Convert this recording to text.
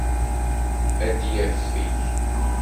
Ad yafeg